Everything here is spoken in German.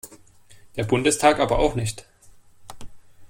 Der Bundestag aber auch nicht.